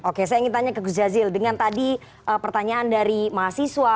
oke saya ingin tanya ke gus jazil dengan tadi pertanyaan dari mahasiswa